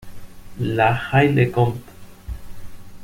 La Haye-le-Comte